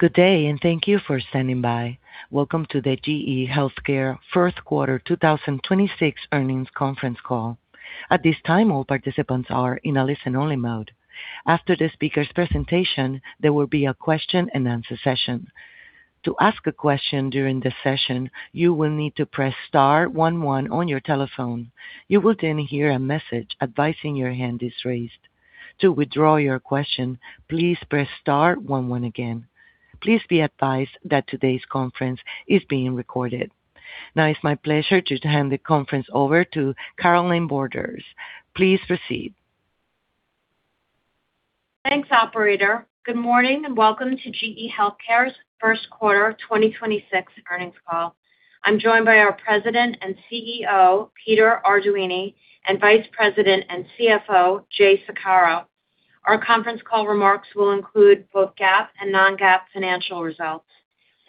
Good day. Thank you for standing by. Welcome to the GE HealthCare first quarter 2026 earnings conference call. At this time, all participants are in a listen-only mode. After the speaker's presentation, there will be a question-and-answer session. To ask a question during the session, you will need to press star one one on your telephone. You will hear a message advising your hand is raised. To withdraw your question, please press star one one again. Please be advised that today's conference is being recorded. Now it's my pleasure to hand the conference over to Carolynne Borders. Please proceed. Thanks, operator. Good morning, welcome to GE HealthCare's first quarter 2026 earnings call. I'm joined by our President and Chief Executive Officer, Peter Arduini, and Vice President and Chief Financial Officer, Jay Saccaro. Our conference call remarks will include both GAAP and non-GAAP financial results.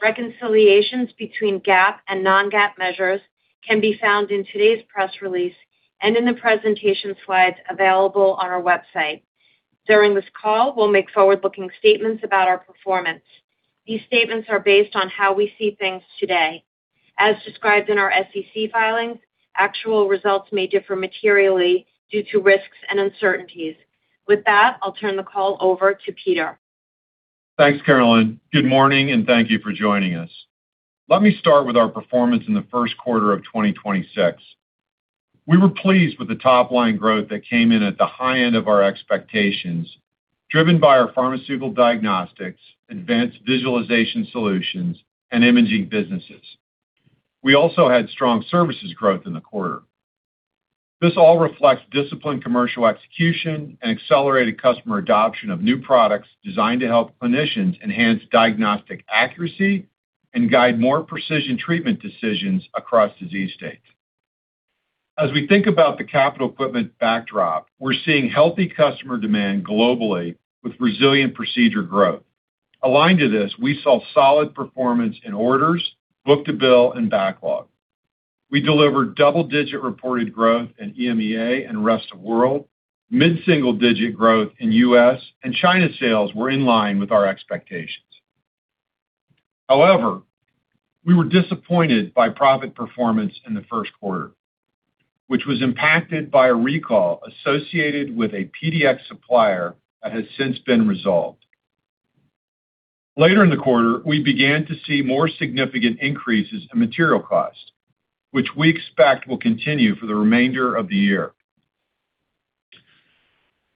Reconciliations between GAAP and non-GAAP measures can be found in today's press release and in the presentation slides available on our website. During this call, we'll make forward-looking statements about our performance. These statements are based on how we see things today. As described in our SEC filings, actual results may differ materially due to risks and uncertainties. With that, I'll turn the call over to Peter. Thanks, Carolynne. Good morning, and thank you for joining us. Let me start with our performance in the first quarter of 2026. We were pleased with the top-line growth that came in at the high end of our expectations, driven by our pharmaceutical diagnostics, Advanced Imaging Solutions, and imaging businesses. We also had strong services growth in the quarter. This all reflects disciplined commercial execution and accelerated customer adoption of new products designed to help clinicians enhance diagnostic accuracy and guide more precision treatment decisions across disease states. As we think about the capital equipment backdrop, we're seeing healthy customer demand globally with resilient procedure growth. Aligned to this, we saw solid performance in orders, book-to-bill, and backlog. We delivered double-digit reported growth in EMEA and rest of world, mid-single digit growth in U.S., and China sales were in line with our expectations. We were disappointed by profit performance in the first quarter, which was impacted by a recall associated with a PDX supplier that has since been resolved. Later in the quarter, we began to see more significant increases in material cost, which we expect will continue for the remainder of the year.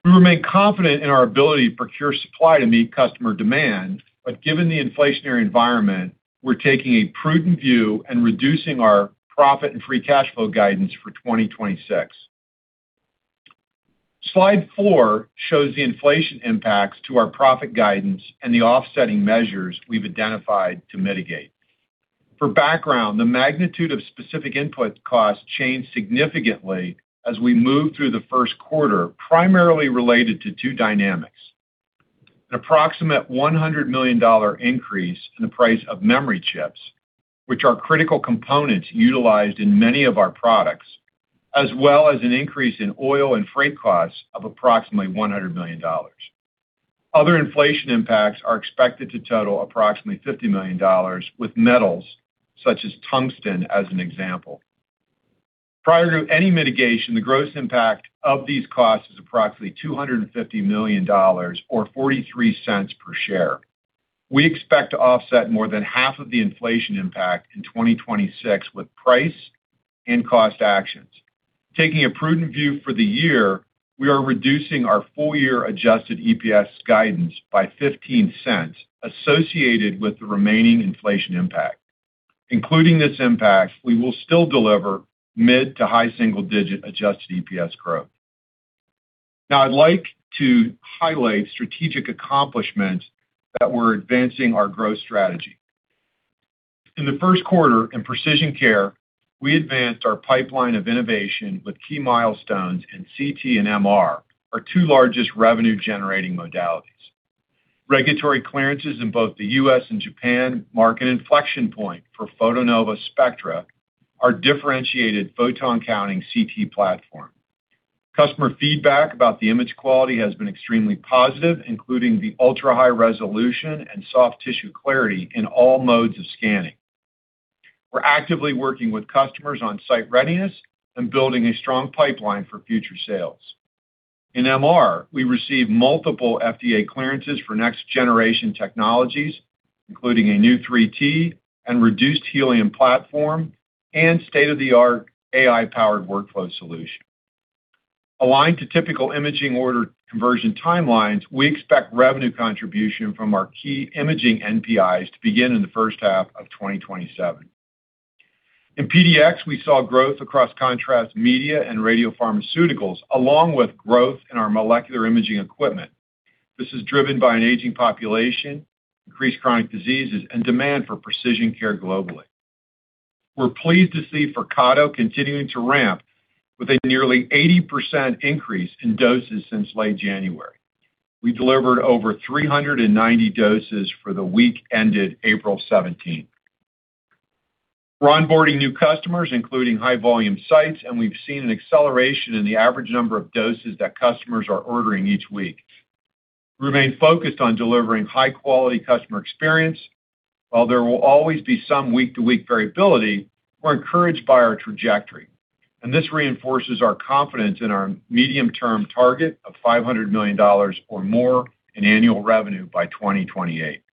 We remain confident in our ability to procure supply to meet customer demand, but given the inflationary environment, we're taking a prudent view and reducing our profit and free cash flow guidance for 2026. Slide four shows the inflation impacts to our profit guidance and the offsetting measures we've identified to mitigate. For background, the magnitude of specific input costs changed significantly as we moved through the first quarter, primarily related to two dynamics. An approximate $100 million increase in the price of memory chips, which are critical components utilized in many of our products, as well as an increase in oil and freight costs of approximately $100 million. Other inflation impacts are expected to total approximately $50 million, with metals such as tungsten as an example. Prior to any mitigation, the gross impact of these costs is approximately $250 million or $0.43 per share. We expect to offset more than half of the inflation impact in 2026 with price and cost actions. Taking a prudent view for the year, we are reducing our full-year adjusted EPS guidance by $0.15 associated with the remaining inflation impact. Including this impact, we will still deliver mid to high single-digit adjusted EPS growth. Now, I'd like to highlight strategic accomplishments that were advancing our growth strategy. In the first quarter, in precision care, we advanced our pipeline of innovation with key milestones in CT and MR, our two largest revenue-generating modalities. Regulatory clearances in both the U.S. and Japan mark an inflection point for Photonova Spectra, our differentiated photon-counting CT platform. Customer feedback about the image quality has been extremely positive, including the ultra-high resolution and soft tissue clarity in all modes of scanning. We're actively working with customers on site readiness and building a strong pipeline for future sales. In MR, we received multiple FDA clearances for next-generation technologies, including a new 3T and reduced helium platform and state-of-the-art AI-powered workflow solution. Aligned to typical imaging order conversion timelines, we expect revenue contribution from our key imaging NPIs to begin in the first half of 2027. In PDX, we saw growth across contrast media and radiopharmaceuticals, along with growth in our molecular imaging equipment. This is driven by an aging population, increased chronic diseases, and demand for precision care globally. We're pleased to see Flyrcado continuing to ramp with a nearly 80% increase in doses since late January. We delivered over 390 doses for the week ended April 17. We're onboarding new customers, including high-volume sites, and we've seen an acceleration in the average number of doses that customers are ordering each week. We remain focused on delivering high-quality customer experience. While there will always be some week-to-week variability, we're encouraged by our trajectory, and this reinforces our confidence in our medium-term target of $500 million or more in annual revenue by 2028.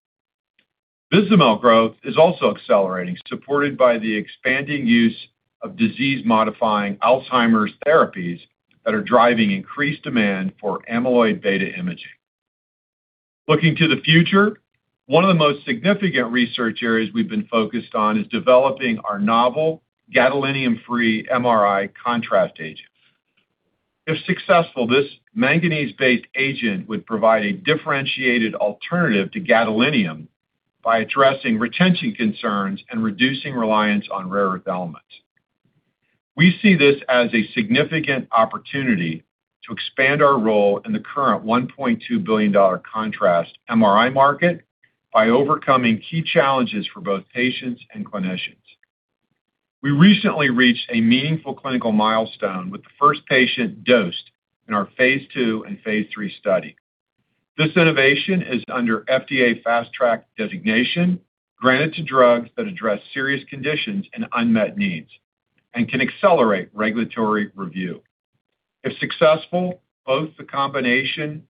Vizamyl growth is also accelerating, supported by the expanding use of disease-modifying Alzheimer's therapies that are driving increased demand for amyloid beta imaging. Looking to the future, one of the most significant research areas we've been focused on is developing our novel gadolinium-free MRI contrast agent. If successful, this manganese-based agent would provide a differentiated alternative to gadolinium by addressing retention concerns and reducing reliance on rare earth elements. We see this as a significant opportunity to expand our role in the current $1.2 billion contrast MRI market by overcoming key challenges for both patients and clinicians. We recently reached a meaningful clinical milestone with the first patient dosed in our phase II and phase III study. This innovation is under FDA Fast Track Designation granted to drugs that address serious conditions and unmet needs and can accelerate regulatory review. If successful, both the combination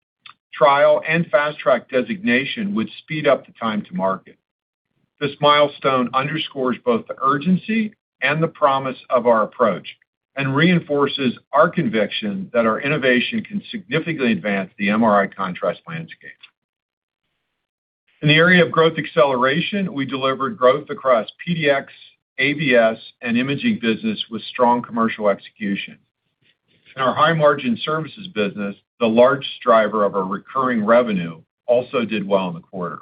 trial and Fast Track Designation would speed up the time to market. This milestone underscores both the urgency and the promise of our approach and reinforces our conviction that our innovation can significantly advance the MRI contrast landscape. In the area of growth acceleration, we delivered growth across PDX, AVS, and imaging business with strong commercial execution. In our high-margin services business, the large driver of our recurring revenue also did well in the quarter.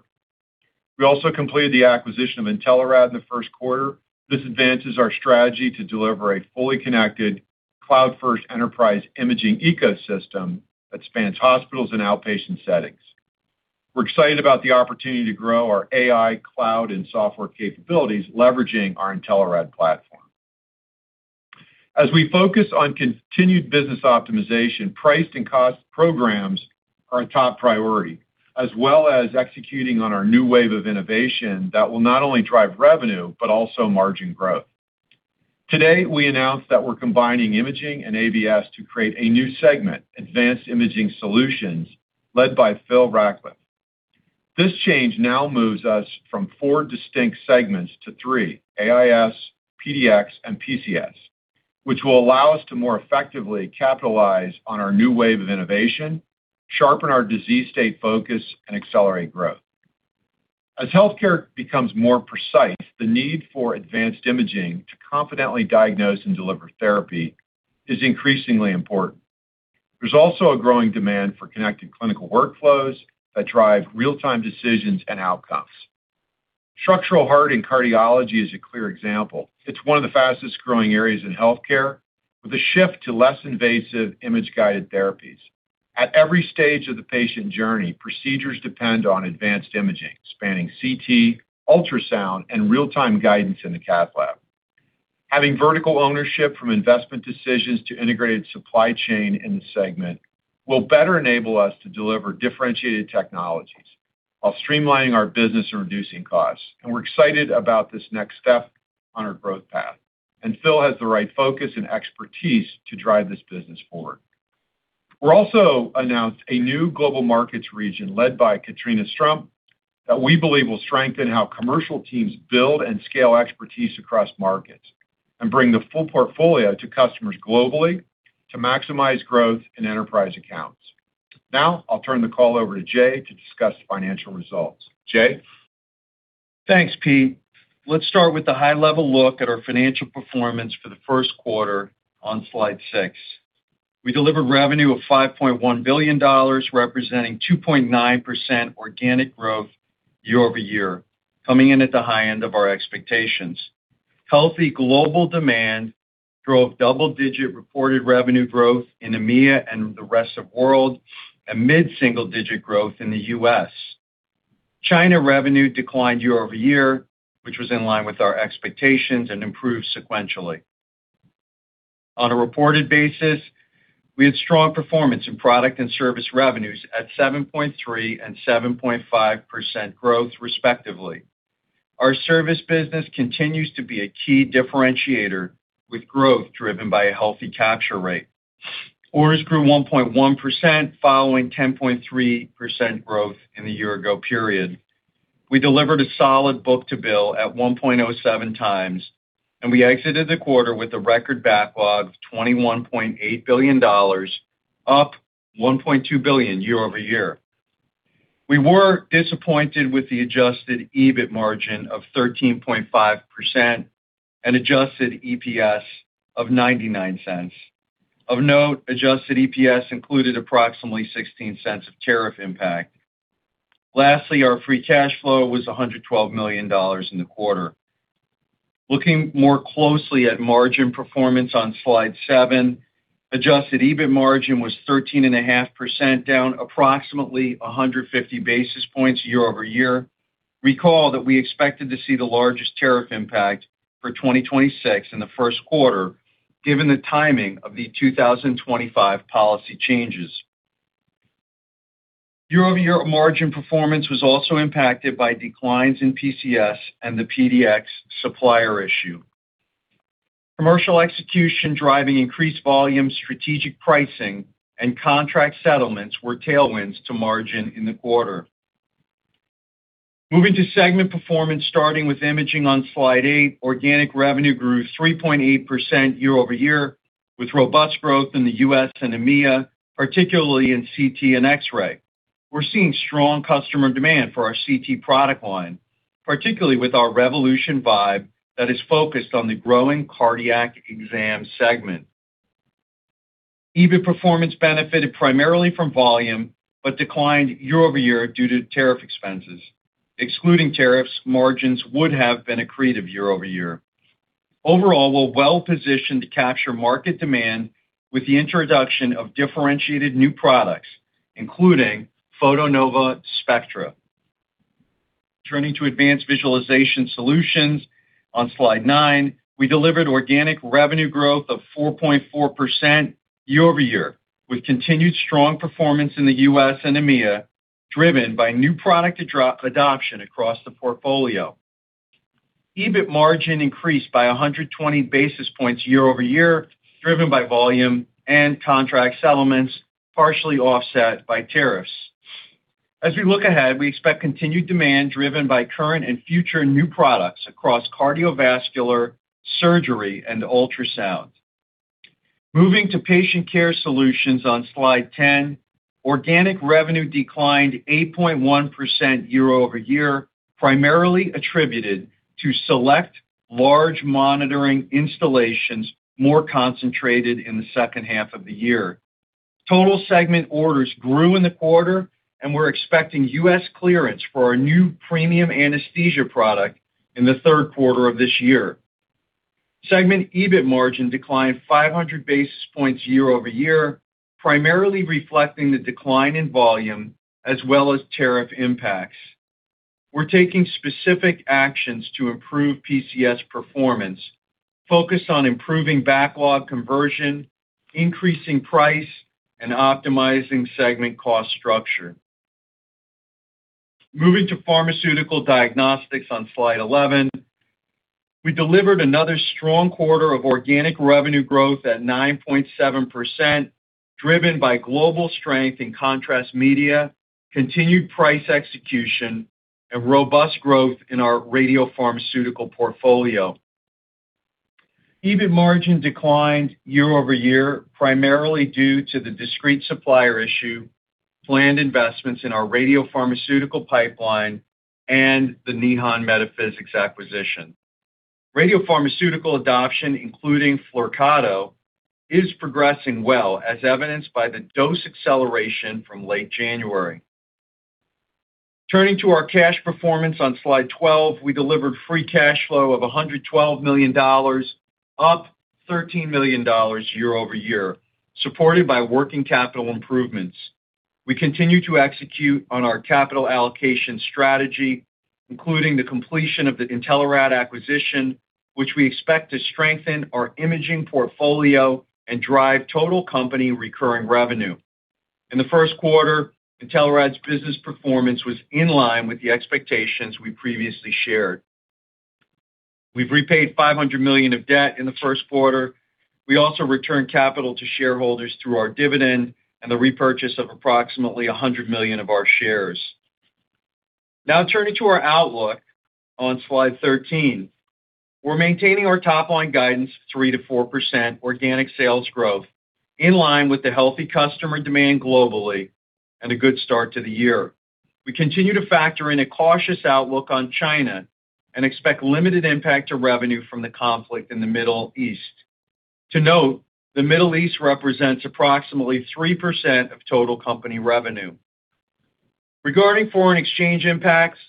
We also completed the acquisition of Intelerad in the first quarter. This advances our strategy to deliver a fully connected cloud-first enterprise imaging ecosystem that spans hospitals and outpatient settings. We're excited about the opportunity to grow our AI, cloud, and software capabilities, leveraging our Intelerad platform. As we focus on continued business optimization, price and cost programs are a top priority, as well as executing on our new wave of innovation that will not only drive revenue, but also margin growth. Today, we announced that we're combining Imaging and AVS to create a new segment, Advanced Imaging Solutions, led by Phil Rackliffe. This change now moves us from four distinct segments to three: AIS, PDX, and PCS, which will allow us to more effectively capitalize on our new wave of innovation, sharpen our disease state focus, and accelerate growth. As healthcare becomes more precise, the need for advanced imaging to confidently diagnose and deliver therapy is increasingly important. There's also a growing demand for connected clinical workflows that drive real-time decisions and outcomes. Structural heart and cardiology is a clear example. It's one of the fastest-growing areas in healthcare, with a shift to less invasive image-guided therapies. At every stage of the patient journey, procedures depend on advanced imaging, spanning CT, ultrasound, and real-time guidance in the cath lab. Having vertical ownership from investment decisions to integrated supply chain in the segment will better enable us to deliver differentiated technologies while streamlining our business and reducing costs, and we're excited about this next step on our growth path, and Phil has the right focus and expertise to drive this business forward. We also announced a new global markets region led by Catherine Estrampes that we believe will strengthen how commercial teams build and scale expertise across markets and bring the full portfolio to customers globally to maximize growth in enterprise accounts. Now, I'll turn the call over to Jay to discuss the financial results. Jay? Thanks, Pete. Let's start with a high-level look at our financial performance for the first quarter on slide six. We delivered revenue of $5.1 billion, representing 2.9% organic growth year-over-year, coming in at the high end of our expectations. Healthy global demand drove double-digit reported revenue growth in EMEA and the rest of world and mid-single-digit growth in the U.S. China revenue declined year-over-year, which was in line with our expectations, and improved sequentially. On a reported basis, we had strong performance in product and service revenues at 7.3% and 7.5% growth, respectively. Our service business continues to be a key differentiator with growth driven by a healthy capture rate. Orders grew 1.1%, following 10.3% growth in the year ago period. We delivered a solid book to bill at 1.07x, and we exited the quarter with a record backlog of $21.8 billion, up $1.2 billion year-over-year. We were disappointed with the adjusted EBIT margin of 13.5% and adjusted EPS of $0.99. Of note, adjusted EPS included approximately $0.16 of tariff impact. Lastly, our free cash flow was $112 million in the quarter. Looking more closely at margin performance on slide seven. Adjusted EBIT margin was 13.5%, down approximately 150 basis points year-over-year. Recall that we expected to see the largest tariff impact for 2026 in the first quarter, given the timing of the 2025 policy changes. Year-over-year margin performance was also impacted by declines in PCS and the PDX supplier issue. Commercial execution driving increased volume, strategic pricing, and contract settlements were tailwinds to margin in the quarter. Moving to segment performance, starting with imaging on slide eight, organic revenue grew 3.8% year-over-year, with robust growth in the U.S. and EMEA, particularly in CT and X-ray. We're seeing strong customer demand for our CT product line, particularly with our Revolution Vibe that is focused on the growing cardiac exam segment. EBIT performance benefited primarily from volume, but declined year-over-year due to tariff expenses. Excluding tariffs, margins would have been accretive year-over-year. Overall, we're well-positioned to capture market demand with the introduction of differentiated new products, including Photonova Spectra. Turning to advanced visualization solutions on slide nine, we delivered organic revenue growth of 4.4% year-over-year, with continued strong performance in the U.S. and EMEA, driven by new product adoption across the portfolio. EBIT margin increased by 120 basis points year-over-year, driven by volume and contract settlements, partially offset by tariffs. We expect continued demand driven by current and future new products across cardiovascular, surgery, and ultrasound. Moving to Patient Care Solutions on slide 10, organic revenue declined 8.1% year-over-year, primarily attributed to select large monitoring installations more concentrated in the second half of the year. Total segment orders grew in the quarter, we're expecting U.S. clearance for our new premium anesthesia product in the third quarter of this year. Segment EBIT margin declined 500 basis points year-over-year, primarily reflecting the decline in volume as well as tariff impacts. We're taking specific actions to improve PCS performance, focused on improving backlog conversion, increasing price, and optimizing segment cost structure. Moving to Pharmaceutical Diagnostics on slide 11, we delivered another strong quarter of organic revenue growth at 9.7%, driven by global strength in contrast media, continued price execution, and robust growth in our radiopharmaceutical portfolio. EBIT margin declined year-over-year, primarily due to the discrete supplier issue, planned investments in our radiopharmaceutical pipeline, and the Nihon Medi-Physics acquisition. Radiopharmaceutical adoption, including Flyrcado, is progressing well, as evidenced by the dose acceleration from late January. Turning to our cash performance on slide 12, we delivered free cash flow of $112 million, up $13 million year-over-year, supported by working capital improvements. We continue to execute on our capital allocation strategy, including the completion of the Intelerad acquisition, which we expect to strengthen our imaging portfolio and drive total company recurring revenue. In the first quarter, Intelerad's business performance was in line with the expectations we previously shared. We've repaid $500 million of debt in the first quarter. We also returned capital to shareholders through our dividend and the repurchase of approximately $100 million of our shares. Turning to our outlook on Slide 13. We're maintaining our top-line guidance of 3%-4% organic sales growth, in line with the healthy customer demand globally and a good start to the year. We continue to factor in a cautious outlook on China and expect limited impact to revenue from the conflict in the Middle East. To note, the Middle East represents approximately 3% of total company revenue. Regarding foreign exchange impacts,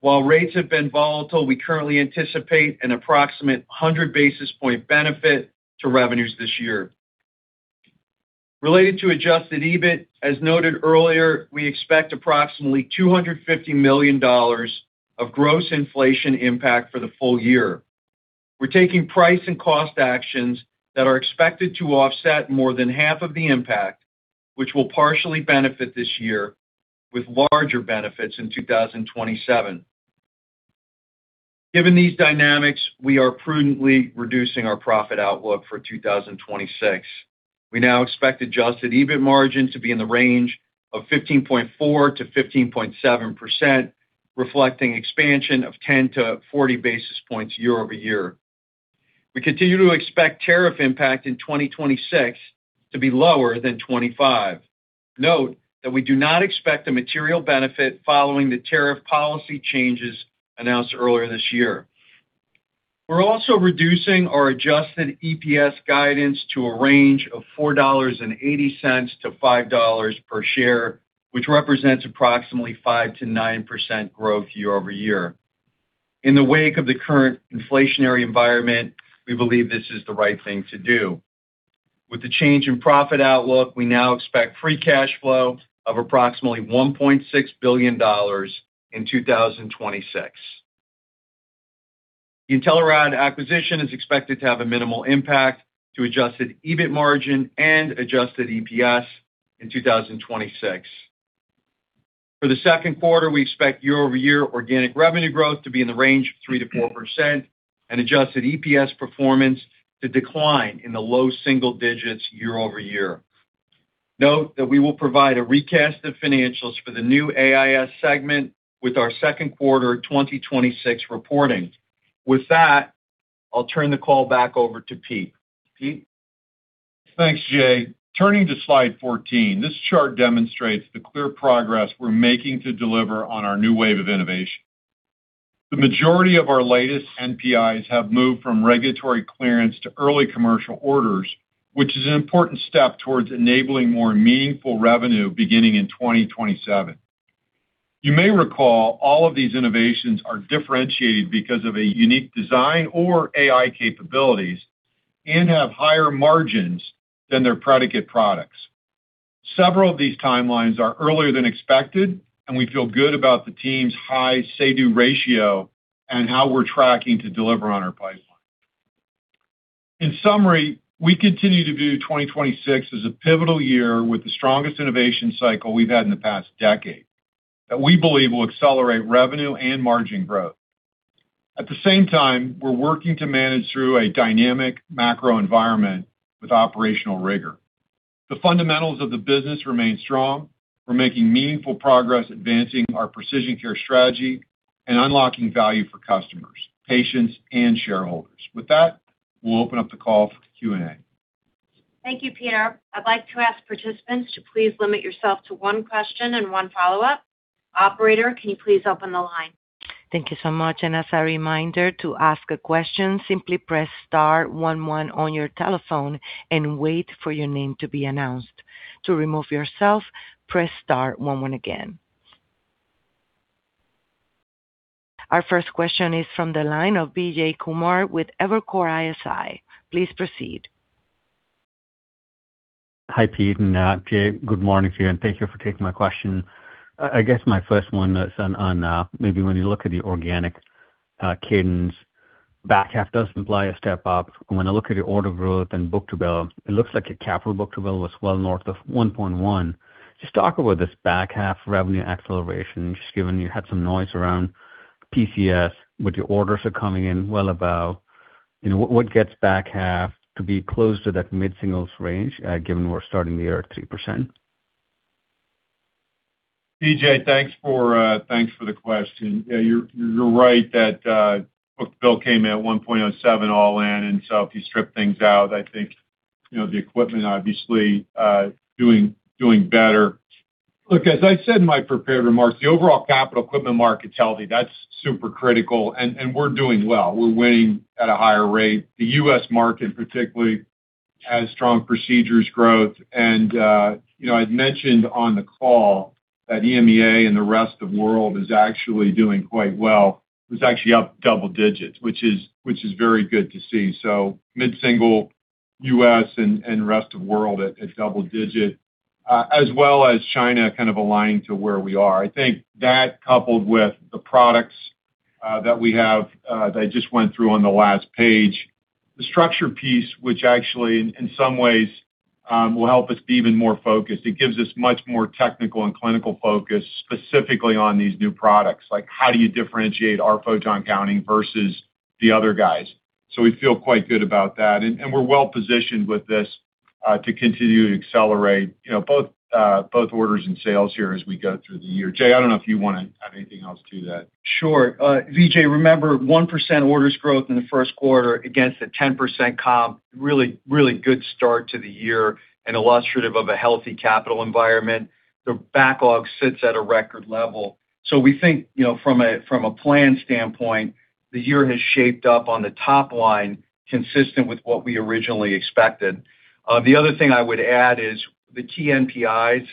while rates have been volatile, we currently anticipate an approximate 100 basis point benefit to revenues this year. Related to adjusted EBIT, as noted earlier, we expect approximately $250 million of gross inflation impact for the full year. We're taking price and cost actions that are expected to offset more than half of the impact, which will partially benefit this year with larger benefits in 2027. Given these dynamics, we are prudently reducing our profit outlook for 2026. We now expect adjusted EBIT margin to be in the range of 15.4%-15.7%, reflecting expansion of 10-40 basis points year-over-year. We continue to expect tariff impact in 2026 to be lower than 2025. Note that we do not expect a material benefit following the tariff policy changes announced earlier this year. We're also reducing our adjusted EPS guidance to a range of $4.80-$5.00 per share, which represents approximately 5%-9% growth year-over-year. In the wake of the current inflationary environment, we believe this is the right thing to do. With the change in profit outlook, we now expect free cash flow of approximately $1.6 billion in 2026. The Intelerad acquisition is expected to have a minimal impact to adjusted EBIT margin and adjusted EPS in 2026. For the second quarter, we expect year-over-year organic revenue growth to be in the range of 3%-4% and adjusted EPS performance to decline in the low single digits year-over-year. Note that we will provide a recast of financials for the new AIS segment with our second quarter 2026 reporting. With that, I'll turn the call back over to Pete. Pete? Thanks, Jay. Turning to slide 14, this chart demonstrates the clear progress we're making to deliver on our new wave of innovation. The majority of our latest NPIs have moved from regulatory clearance to early commercial orders, which is an important step towards enabling more meaningful revenue beginning in 2027. You may recall all of these innovations are differentiated because of a unique design or AI capabilities and have higher margins than their predicate products. Several of these timelines are earlier than expected, and we feel good about the team's high say, do ratio and how we're tracking to deliver on our pipeline. In summary, we continue to view 2026 as a pivotal year with the strongest innovation cycle we've had in the past decade that we believe will accelerate revenue and margin growth. At the same time, we're working to manage through a dynamic macro environment with operational rigor. The fundamentals of the business remain strong. We're making meaningful progress advancing our precision care strategy and unlocking value for customers, patients, and shareholders. With that, we'll open up the call for Q&A. Thank you, Peter. I'd like to ask participants to please limit yourself to one question and one follow-up. Operator, can you please open the line? Thank you so much. As a reminder to ask a question, simply press star one one on your telephone and wait for your name to be announced. To remove yourself, press star one one again. Our first question is from the line of Vijay Kumar with Evercore ISI. Please proceed. Hi, Pete and Jay. Good morning to you. Thank you for taking my question. I guess my first one is on, maybe when you look at the organic cadence, back half does imply a step up. When I look at your order growth and book-to-bill, it looks like a capital book-to-bill was well north of 1.1. Just talk about this back half revenue acceleration, just given you had some noise around PCS, but your orders are coming in well above. You know, what gets back half to be close to that mid-singles range, given we're starting the year at 3%? Vijay, thanks for, thanks for the question. Yeah, you're right that book-to-bill came in at 1.7 all in. If you strip things out, I think, you know, the equipment obviously doing better. Look, as I said in my prepared remarks, the overall capital equipment market's healthy. That's super critical, and we're doing well. We're winning at a higher rate. The U.S. market particularly has strong procedures growth. You know, I'd mentioned on the call that EMEA and the rest of world is actually doing quite well. It's actually up double digits, which is very good to see. Mid-single U.S. and rest of world at double digit, as well as China kind of aligning to where we are. I think that coupled with the products that we have that I just went through on the last page. The structure piece, which actually in some ways will help us be even more focused. It gives us much more technical and clinical focus specifically on these new products, like how do you differentiate our photon-counting versus the other guys. We feel quite good about that. We're well-positioned with this to continue to accelerate, you know, both orders and sales here as we go through the year. Jay, I don't know if you wanna add anything else to that. Sure. Vijay, remember 1% orders growth in the first quarter against a 10% comp, really good start to the year and illustrative of a healthy capital environment. The backlog sits at a record level. We think, you know, from a plan standpoint, the year has shaped up on the top line consistent with what we originally expected. The other thing I would add is the key NPIs,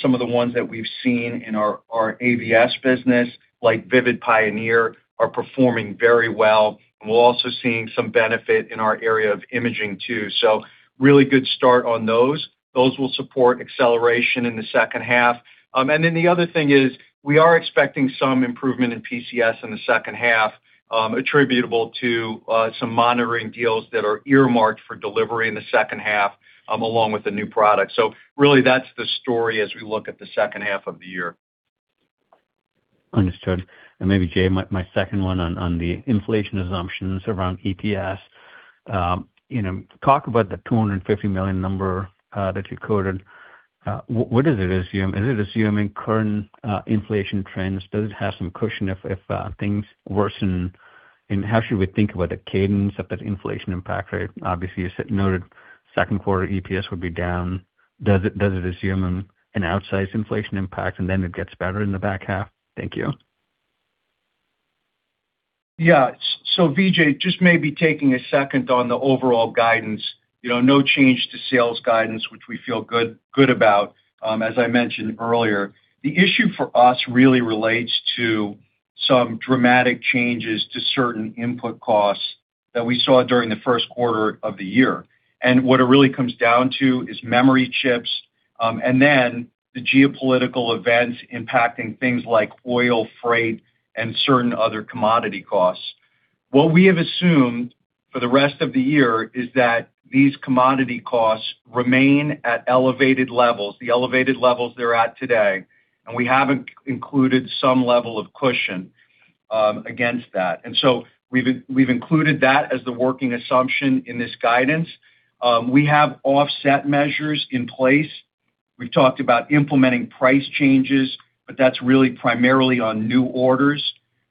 some of the ones that we've seen in our AVS business, like Vivid Pioneer, are performing very well, and we're also seeing some benefit in our area of imaging too. Really good start on those. Those will support acceleration in the second half. The other thing is we are expecting some improvement in PCS in the second half, attributable to some monitoring deals that are earmarked for delivery in the second half, along with the new product. Really that's the story as we look at the second half of the year. Understood. Maybe Jay, my second one on the inflation assumptions around EPS. You know, talk about the $250 million number that you quoted. What is it assume? Is it assuming current inflation trends? Does it have some cushion if things worsen? How should we think about the cadence of that inflation impact rate? Obviously, you said noted second quarter EPS would be down. Does it assume an outsized inflation impact and then it gets better in the back half? Thank you. Yeah. Vijay, just maybe taking a second on the overall guidance. You know, no change to sales guidance, which we feel good about, as I mentioned earlier. The issue for us really relates to some dramatic changes to certain input costs that we saw during the first quarter of the year. What it really comes down to is memory chips, the geopolitical events impacting things like oil, freight, and certain other commodity costs. What we have assumed for the rest of the year is that these commodity costs remain at elevated levels, the elevated levels they're at today, we haven't included some level of cushion against that. We've included that as the working assumption in this guidance. We have offset measures in place. We've talked about implementing price changes, that's really primarily on new orders.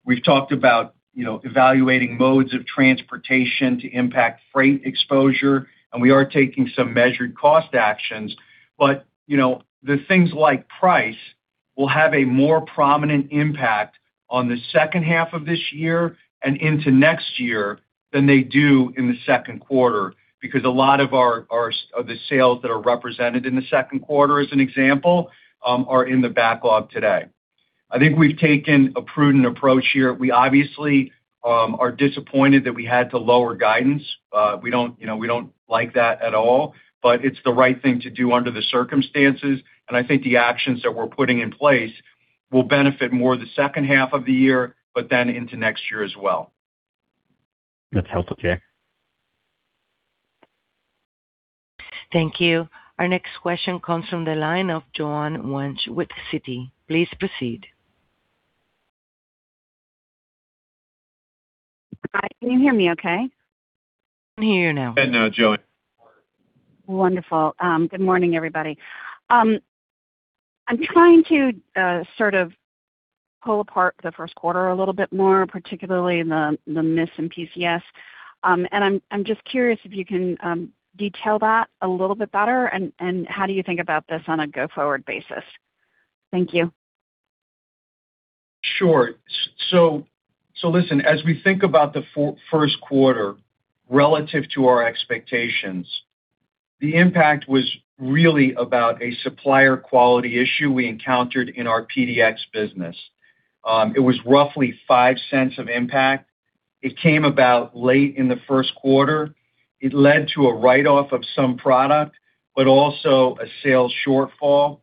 We've talked about, you know, evaluating modes of transportation to impact freight exposure, and we are taking some measured cost actions. You know, the things like price will have a more prominent impact on the second half of this year and into next year than they do in the second quarter, because a lot of the sales that are represented in the second quarter, as an example, are in the backlog today. I think we've taken a prudent approach here. We obviously are disappointed that we had to lower guidance. We don't, you know, we don't like that at all, but it's the right thing to do under the circumstances. I think the actions that we're putting in place will benefit more the second half of the year, but then into next year as well. That's helpful, Jay. Thank you. Our next question comes from the line of Joanne Wuensch with Citi. Please proceed. Hi, can you hear me okay? We can hear you now. Now, Joanne. Wonderful. Good morning, everybody. I'm trying to sort of pull apart the first quarter a little bit more, particularly the miss in PCS. I'm just curious if you can detail that a little bit better and how do you think about this on a go-forward basis? Thank you. Sure. So listen, as we think about the first quarter relative to our expectations, the impact was really about a supplier quality issue we encountered in our PDX business. It was roughly $0.05 of impact. It came about late in the first quarter. It led to a write-off of some product, but also a sales shortfall.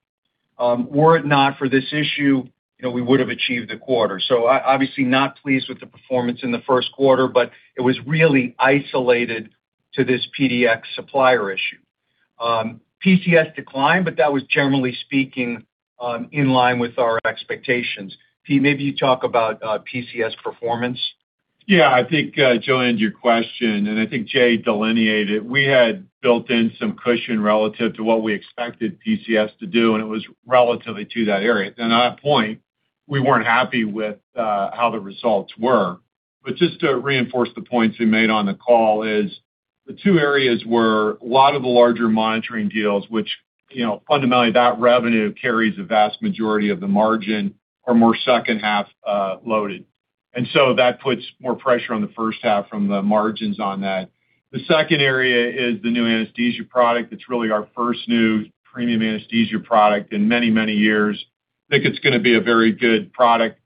Were it not for this issue, you know, we would have achieved the quarter. Obviously not pleased with the performance in the first quarter, but it was really isolated to this PDX supplier issue. PCS declined, but that was generally speaking in line with our expectations. Pete, maybe you talk about PCS performance. I think, Joanne, to your question, Jay delineated, we had built in some cushion relatively to what we expected PCS to do. It was relatively to that area. At that point, we weren't happy with how the results were. Just to reinforce the points we made on the call is the two areas were a lot of the larger monitoring deals, which, you know, fundamentally, that revenue carries the vast majority of the margin are more second half loaded. That puts more pressure on the first half from the margins on that. The second area is the new anesthesia product. That's really our first new premium anesthesia product in many, many years. I think it's gonna be a very good product.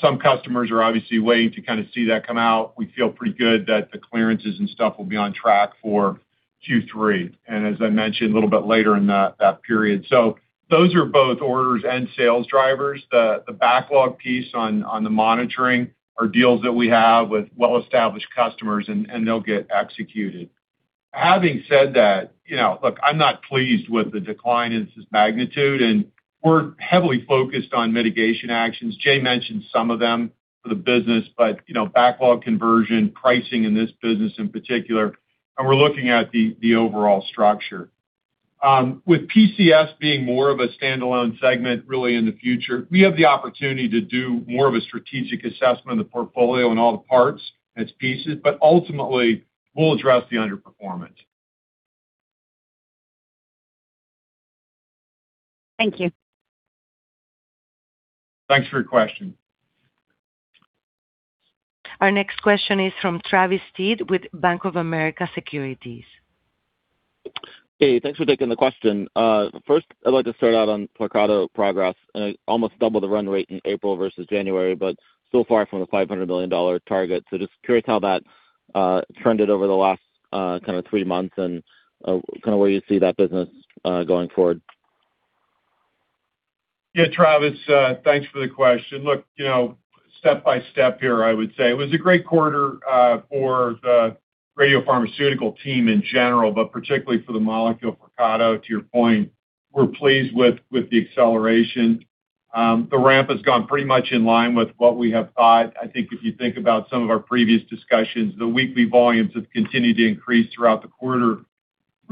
Some customers are obviously waiting to kind of see that come out. We feel pretty good that the clearances and stuff will be on track for Q3. As I mentioned, a little bit later in that period. Those are both orders and sales drivers. The backlog piece on the monitoring are deals that we have with well-established customers, and they'll get executed. Having said that, you know, look, I'm not pleased with the decline in this magnitude, and we're heavily focused on mitigation actions. Jay mentioned some of them for the business, but, you know, backlog conversion, pricing in this business in particular, and we're looking at the overall structure. With PCS being more of a standalone segment really in the future, we have the opportunity to do more of a strategic assessment of the portfolio and all the parts and its pieces, but ultimately, we'll address the underperformance. Thank you. Thanks for your question. Our next question is from Travis Steed with Bank of America Securities. Hey, thanks for taking the question. First I'd like to start out on Flyrcado progress, and it almost doubled the run rate in April versus January, but still far from the $500 million target. Just curious how that trended over the last three months and where you see that business going forward. Yeah, Travis, thanks for the question. Look, you know, step by step here, I would say. It was a great quarter for the radiopharmaceutical team in general, but particularly for the molecule Flyrcado, to your point. We're pleased with the acceleration. The ramp has gone pretty much in line with what we have thought. I think if you think about some of our previous discussions, the weekly volumes have continued to increase throughout the quarter.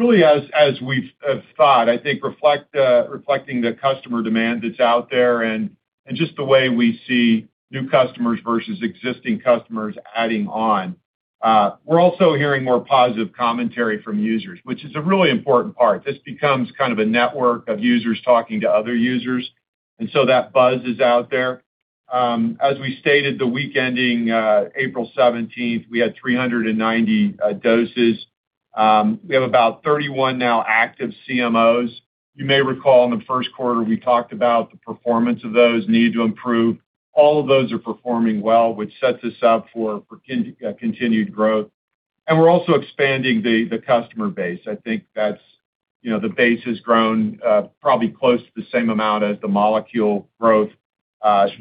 Really, as we've thought, I think reflecting the customer demand that's out there and just the way we see new customers versus existing customers adding on. We're also hearing more positive commentary from users, which is a really important part. This becomes kind of a network of users talking to other users, and so that buzz is out there. As we stated, the week ending April 17, we had 390 doses. We have about 31 now active CMOs. You may recall in the first quarter, we talked about the performance of those need to improve. All of those are performing well, which sets us up for continued growth. We're also expanding the customer base. I think that's, you know, the base has grown probably close to the same amount as the molecule growth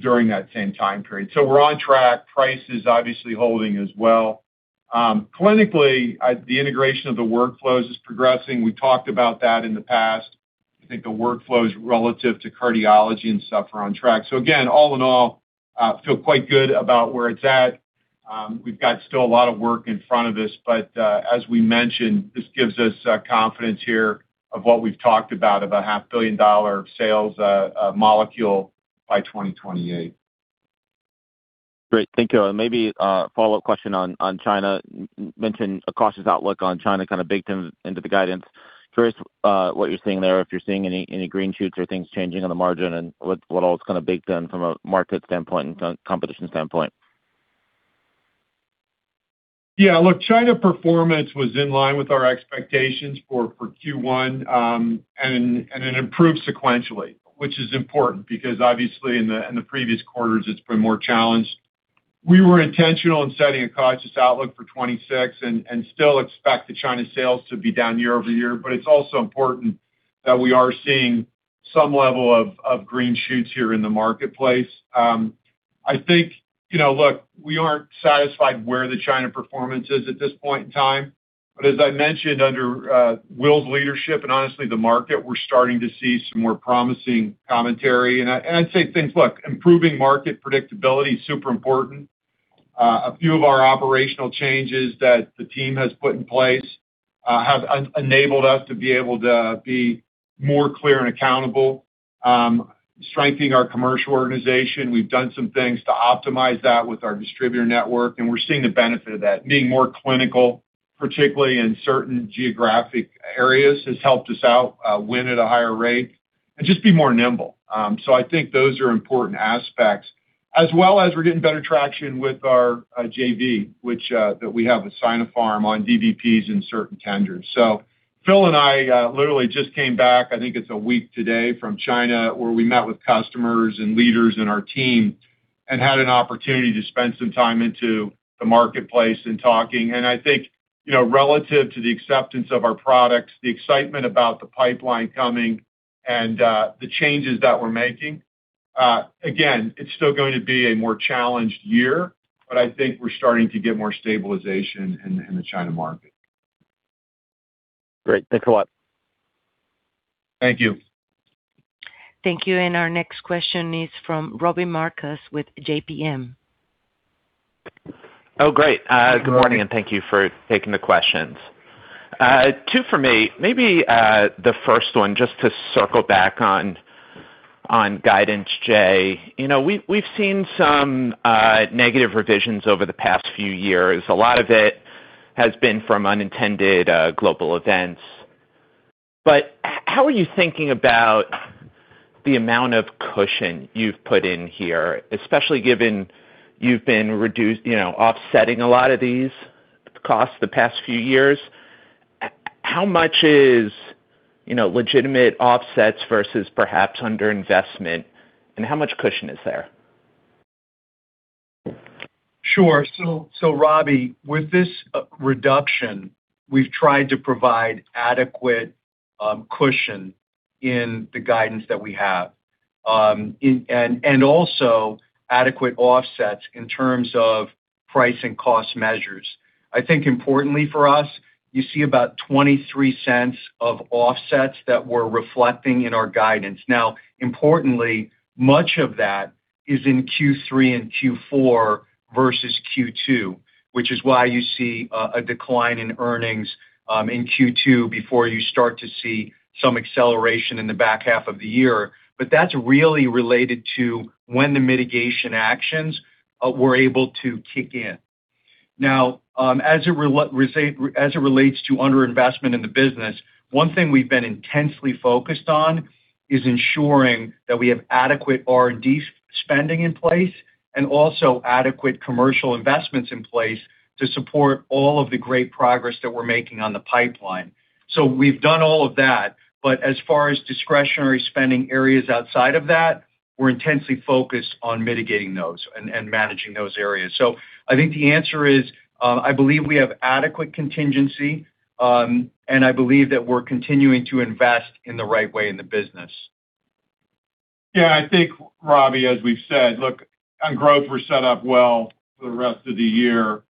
during that same time period. We're on track. Price is obviously holding as well. Clinically, the integration of the workflows is progressing. We talked about that in the past. I think the workflows relative to cardiology and stuff are on track. Again, all in all, feel quite good about where it's at. We've got still a lot of work in front of us, but, as we mentioned, this gives us confidence here of what we've talked about half billion dollar of sales molecule by 2028. Great. Thank you. Maybe a follow-up question on China. Mention a cautious outlook on China kind of baked in, into the guidance. Curious what you're seeing there, if you're seeing any green shoots or things changing on the margin and what all is kinda baked in from a market standpoint and competition standpoint. Look, China performance was in line with our expectations for Q1, and it improved sequentially, which is important because obviously in the previous quarters, it's been more challenged. We were intentional in setting a cautious outlook for 2026 and still expect the China sales to be down year-over-year. It's also important that we are seeing some level of green shoots here in the marketplace. I think, you know, look, we aren't satisfied where the China performance is at this point in time. As I mentioned under Will's leadership and honestly, the market, we're starting to see some more promising commentary. I'd say things, look, improving market predictability is super important. A few of our operational changes that the team has put in place have enabled us to be able to be more clear and accountable, strengthening our commercial organization. We've done some things to optimize that with our distributor network, and we're seeing the benefit of that. Being more clinical, particularly in certain geographic areas, has helped us out win at a higher rate and just be more nimble. I think those are important aspects, as well as we're getting better traction with our JV, which that we have with Sinopharm on DVPs and certain tenders. Phil and I literally just came back, I think it's a week today from China, where we met with customers and leaders in our team and had an opportunity to spend some time into the marketplace and talking. I think, you know, relative to the acceptance of our products, the excitement about the pipeline coming and the changes that we're making, again, it's still going to be a more challenged year, but I think we're starting to get more stabilization in the China market. Great. Thanks a lot. Thank you. Thank you. Our next question is from Robbie Marcus with JPM. Oh, great. Good morning and thank you for taking the questions. Two for me. Maybe, the first one, just to circle back on guidance, Jay. You know, we've seen some negative revisions over the past few years. A lot of it has been from unintended global events. How are you thinking about the amount of cushion you've put in here, especially given you've been reduced, you know, offsetting a lot of these costs the past few years? How much is, you know, legitimate offsets versus perhaps underinvestment, and how much cushion is there? Sure. Robbie, with this reduction, we've tried to provide adequate cushion in the guidance that we have. And also adequate offsets in terms of price and cost measures. I think importantly for us, you see about $0.23 of offsets that we're reflecting in our guidance. Now, importantly, much of that is in Q3 and Q4 versus Q2, which is why you see a decline in earnings in Q2 before you start to see some acceleration in the back half of the year. That's really related to when the mitigation actions were able to kick in. As it relates to underinvestment in the business, one thing we've been intensely focused on is ensuring that we have adequate R&D spending in place and also adequate commercial investments in place to support all of the great progress that we're making on the pipeline. We've done all of that, but as far as discretionary spending areas outside of that, we're intensely focused on mitigating those and managing those areas. I think the answer is, I believe we have adequate contingency, and I believe that we're continuing to invest in the right way in the business. Yeah, I think, Robbie, as we've said, look, on growth, we're set up well for the rest of the year.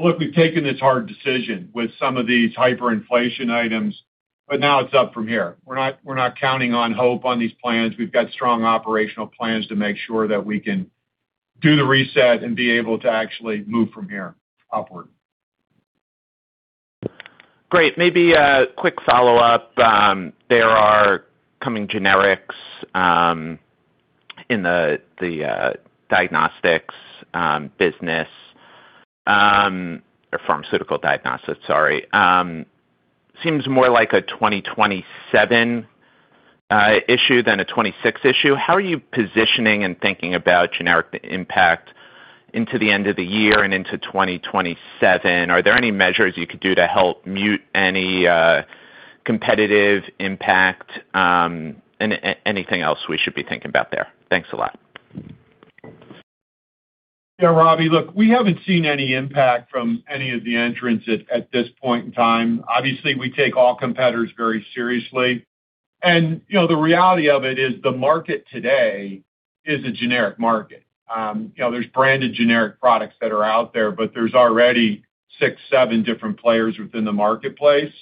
Look, we've taken this hard decision with some of these hyperinflation items, but now it's up from here. We're not counting on hope on these plans. We've got strong operational plans to make sure that we can do the reset and be able to actually move from here upward. Great. Maybe a quick follow-up. There are coming generics in the diagnostics business, or pharmaceutical diagnostics, sorry. Seems more like a 2027 issue than a 2026 issue. How are you positioning and thinking about generic impact into the end of the year and into 2027? Are there any measures you could do to help mute any competitive impact? Anything else we should be thinking about there? Thanks a lot. Yeah, Robbie, look, we haven't seen any impact from any of the entrants at this point in time. Obviously, we take all competitors very seriously. You know, the reality of it is the market today is a generic market. You know, there's branded generic products that are out there, but there's already six, seven different players within the marketplace.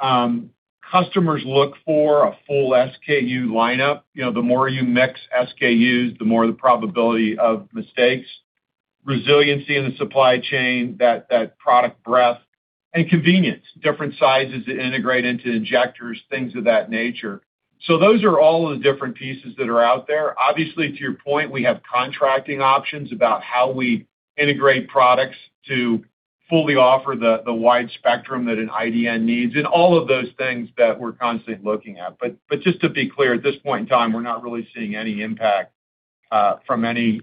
Customers look for a full SKU lineup. You know, the more you mix SKUs, the more the probability of mistakes, resiliency in the supply chain, that product breadth and convenience, different sizes that integrate into injectors, things of that nature. Those are all of the different pieces that are out there. Obviously, to your point, we have contracting options about how we integrate products to fully offer the wide spectrum that an IDN needs and all of those things that we're constantly looking at. Just to be clear, at this point in time, we're not really seeing any impact from any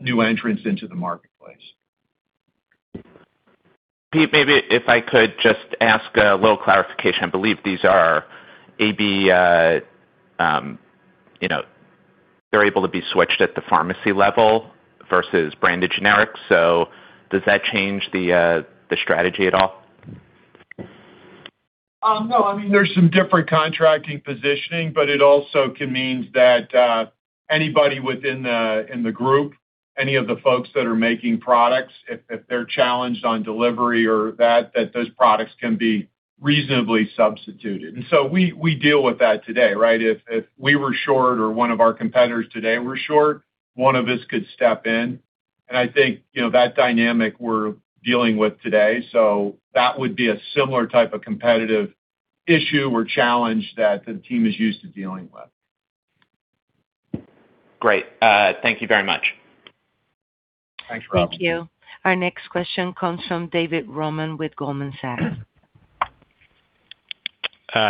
new entrants into the marketplace. Pete, maybe if I could just ask a little clarification. I believe these are AB, you know, they're able to be switched at the pharmacy level versus branded generics. Does that change the strategy at all? No, I mean, there's some different contracting positioning, but it also can mean that anybody within the group, any of the folks that are making products, if they're challenged on delivery or that those products can be reasonably substituted. We deal with that today, right? If we were short or one of our competitors today were short, one of us could step in. I think, you know, that dynamic we're dealing with today. That would be a similar type of competitive issue or challenge that the team is used to dealing with. Great. Thank you very much. Thanks, Robbie. Thank you. Our next question comes from David Roman with Goldman Sachs.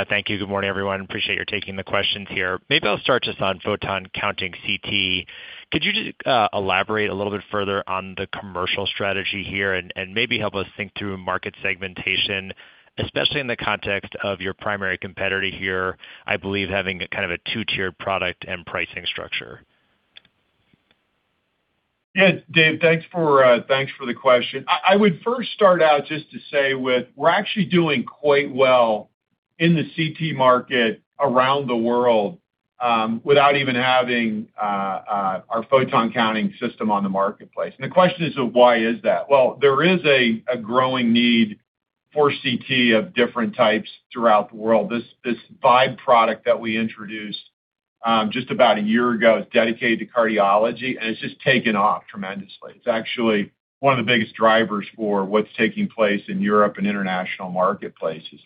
Thank you. Good morning, everyone. Appreciate your taking the questions here. Maybe I'll start just on photon-counting CT. Could you just elaborate a little bit further on the commercial strategy here and maybe help us think through market segmentation, especially in the context of your primary competitor here, I believe having a kind of a two-tiered product and pricing structure? Yeah, Dave, thanks for thanks for the question. I would first start out just to say with we're actually doing quite well in the CT market around the world, without even having our photon-counting system on the marketplace. The question is why is that? Well, there is a growing need for CT of different types throughout the world. This Vibe product that we introduced, just about a year ago is dedicated to cardiology, and it's just taken off tremendously. It's actually one of the biggest drivers for what's taking place in Europe and international marketplaces.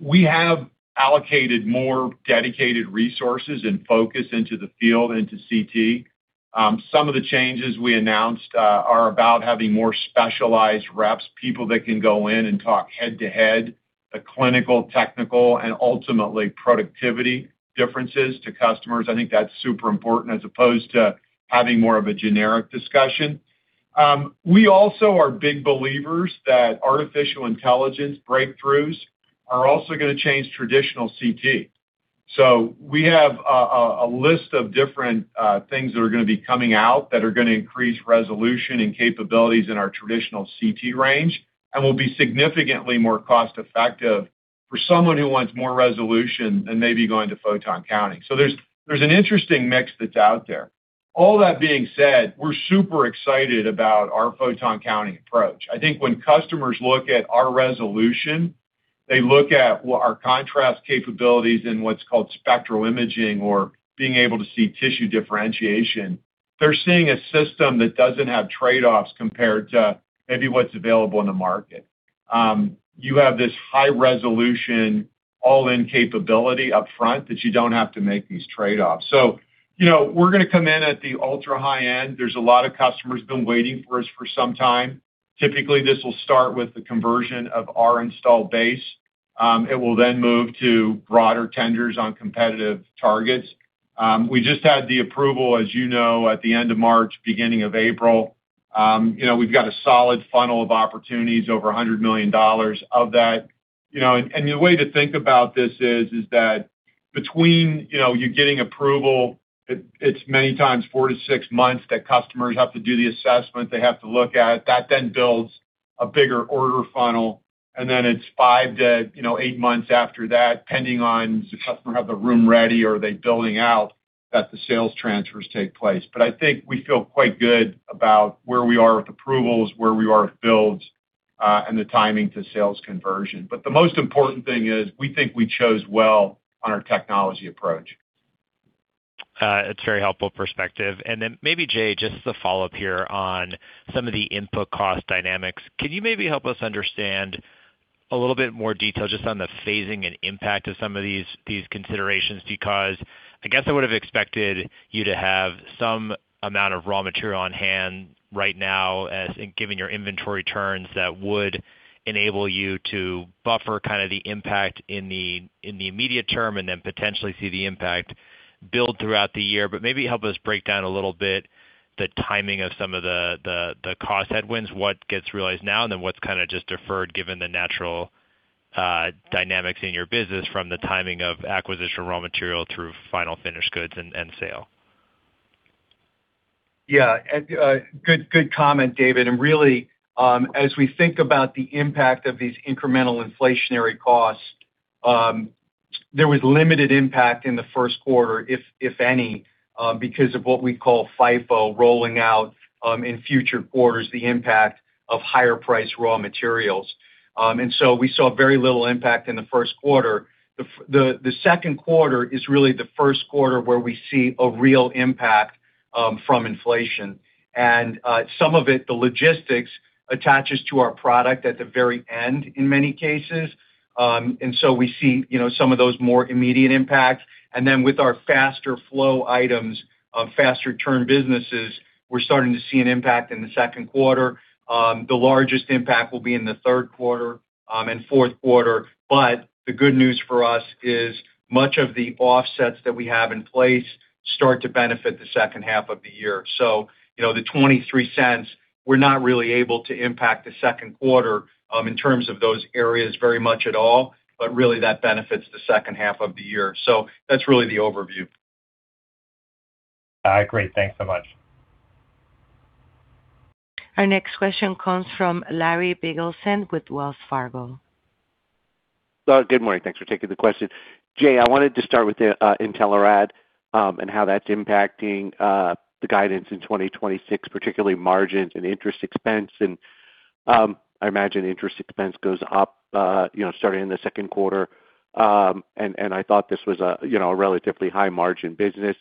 We have allocated more dedicated resources and focus into the field and to CT. Some of the changes we announced are about having more specialized reps, people that can go in and talk head-to-head, the clinical, technical, and ultimately productivity differences to customers. I think that's super important as opposed to having more of a generic discussion. We also are big believers that artificial intelligence breakthroughs are also going to change traditional CT. We have a list of different things that are going to be coming out that are going to increase resolution and capabilities in our traditional CT range and will be significantly more cost-effective for someone who wants more resolution than maybe going to photon counting. There's an interesting mix that's out there. All that being said, we're super excited about our photon counting approach. I think when customers look at our resolution, they look at our contrast capabilities in what's called spectral imaging or being able to see tissue differentiation. They're seeing a system that doesn't have trade-offs compared to maybe what's available in the market. You have this high resolution all-in capability upfront that you don't have to make these trade-offs. You know, we're gonna come in at the ultra high-end. There's a lot of customers been waiting for us for some time. Typically, this will start with the conversion of our installed base. It will then move to broader tenders on competitive targets. We just had the approval, as you know, at the end of March, beginning of April. You know, we've got a solid funnel of opportunities, over $100 million of that. You know, the way to think about this is that between, you know, you getting approval, it's many times four to six months that customers have to do the assessment, they have to look at. That then builds a bigger order funnel, then it's five to eight months after that, depending on does the customer have the room ready or are they building out, that the sales transfers take place. I think we feel quite good about where we are with approvals, where we are with builds, and the timing to sales conversion. The most important thing is we think we chose well on our technology approach. It's very helpful perspective. Then maybe, Jay, just as a follow-up here on some of the input cost dynamics. Could you maybe help us understand a little bit more detail just on the phasing and impact of some of these considerations? I guess I would have expected you to have some amount of raw material on hand right now as in giving your inventory turns that would enable you to buffer kind of the impact in the immediate term, then potentially see the impact build throughout the year, maybe help us break down a little bit the timing of some of the cost headwinds, what gets realized now then what's kinda just deferred given the natural dynamics in your business from the timing of acquisition raw material through final finished goods and sale. Yeah. Good comment, David. As we think about the impact of these incremental inflationary costs, there was limited impact in the first quarter, if any, because of what we call FIFO rolling out in future quarters the impact of higher priced raw materials. The second quarter is really the first quarter where we see a real impact from inflation. Some of it, the logistics attaches to our product at the very end in many cases. We see, you know, some of those more immediate impacts. With our faster flow items of faster turn businesses, we're starting to see an impact in the second quarter. The largest impact will be in the third quarter and fourth quarter. The good news for us is much of the offsets that we have in place start to benefit the second half of the year. The $0.23, we're not really able to impact the second quarter in terms of those areas very much at all, but really that benefits the second half of the year. That's really the overview. Great. Thanks so much. Our next question comes from Larry Biegelsen with Wells Fargo. Good morning. Thanks for taking the question. Jay, I wanted to start with the Intelerad, and how that's impacting the guidance in 2026, particularly margins and interest expense. I imagine interest expense goes up, you know, starting in the second quarter. I thought this was a, you know, a relatively high margin business.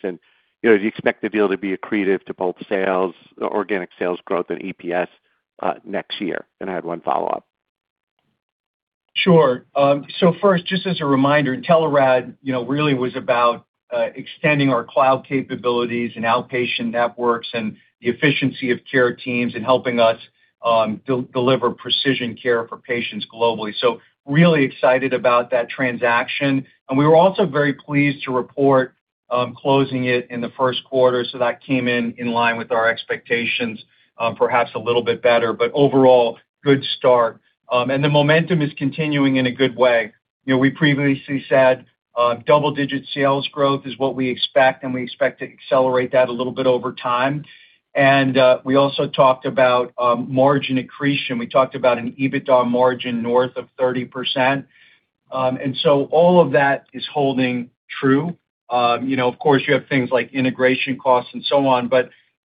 You know, do you expect the deal to be accretive to both sales, organic sales growth and EPS next year? I have one follow-up. Sure. First, just as a reminder, Intelerad, you know, really was about extending our cloud capabilities and outpatient networks and the efficiency of care teams and helping us deliver precision care for patients globally. Really excited about that transaction. We were also very pleased to report closing it in the first quarter, that came in in line with our expectations, perhaps a little bit better. Overall, good start. The momentum is continuing in a good way. You know, we previously said double-digit sales growth is what we expect, and we expect to accelerate that a little bit over time. We also talked about margin accretion. We talked about an EBITDA margin north of 30%. All of that is holding true. You know, of course, you have things like integration costs and so on.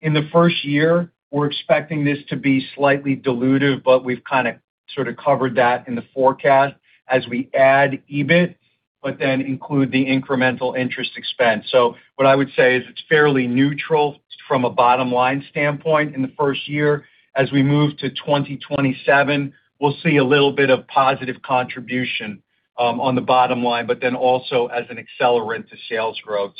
In the first year, we're expecting this to be slightly dilutive, but we've kinda sorta covered that in the forecast as we add EBIT, then include the incremental interest expense. What I would say is it's fairly neutral from a bottom-line standpoint in the first year. As we move to 2027, we'll see a little bit of positive contribution on the bottom line, then also as an accelerant to sales growth.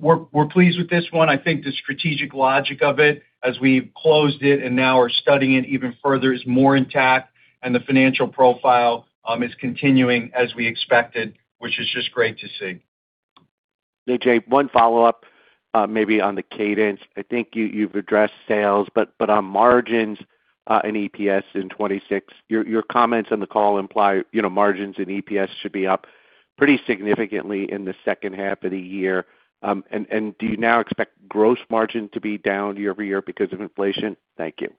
We're pleased with this one. I think the strategic logic of it, as we've closed it and now are studying it even further, is more intact, and the financial profile is continuing as we expected, which is just great to see. Hey, Jay, one follow-up, maybe on the cadence. I think you've addressed sales, but on margins and EPS in 2026, your comments on the call imply, you know, margins and EPS should be up pretty significantly in the second half of the year. Do you now expect gross margin to be down year-over-year because of inflation? Thank you.